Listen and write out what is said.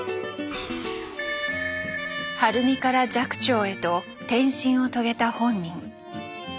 晴美から寂聴へと転身を遂げた本人。